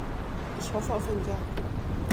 Ich hoffe auf ein Ja.